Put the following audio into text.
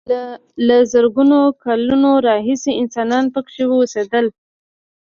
له زرګونو کالونو راهیسې انسانان پکې اوسېدل.